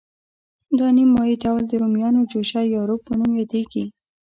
دا نیم مایع ډول د رومیانو جوشه یا روب په نوم یادیږي.